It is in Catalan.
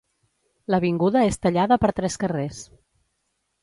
L'avinguda és tallada per tres carrers.